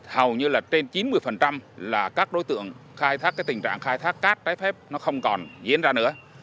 hầu như trên chín mươi là các đối tượng khai thác tình trạng khai thác cát trái phép không còn diễn ra nữa